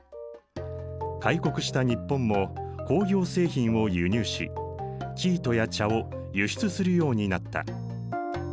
開国した日本も工業製品を輸入し生糸や茶を輸出するようになった。